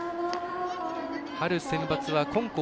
春センバツは金光